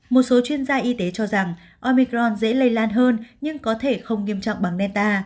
một số chuyên gia y tế cho rằng omicron dễ lây lan hơn nhưng có thể không nghiêm trọng bằng melta